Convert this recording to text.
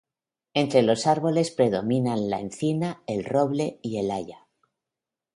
Entre los árboles predominan la encina, el roble y el haya.